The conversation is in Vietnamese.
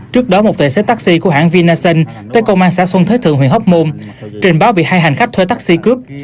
trước đó một tài xế taxi của hãng vinasen tới công an xã xuân thế thượng huyền hóc môn trình báo bị hai hành khách thuê taxi cướp